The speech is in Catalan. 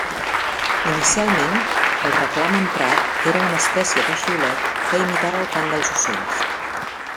Inicialment, el reclam emprat era una espècie de xiulet que imitava el cant dels ocells.